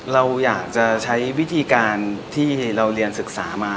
เราอยากจะใช้วิธีการที่เราเรียนศึกษามา